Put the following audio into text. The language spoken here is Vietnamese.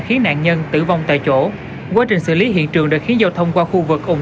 khiến nạn nhân tử vong tại chỗ quá trình xử lý hiện trường đã khiến giao thông qua khu vực ủng